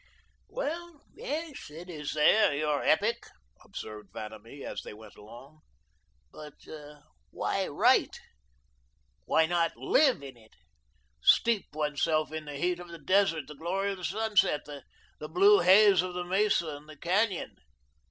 "Well, yes, it is there your epic," observed Vanamee, as they went along. "But why write? Why not LIVE in it? Steep oneself in the heat of the desert, the glory of the sunset, the blue haze of the mesa and the canyon."